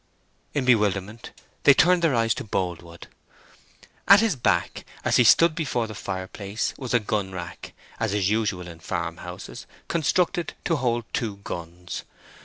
In bewilderment they turned their eyes to Boldwood. At his back, as stood before the fireplace, was a gun rack, as is usual in farmhouses, constructed to hold two guns.